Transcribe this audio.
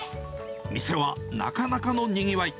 店はなかなかのにぎわい。